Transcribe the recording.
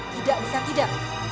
tidak bisa tidak